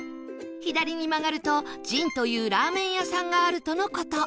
左に曲がるとじんというラーメン屋さんがあるとの事